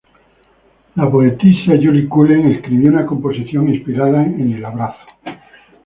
La poetisa Judith Cullen escribió una composición inspirada en "El Abrazo".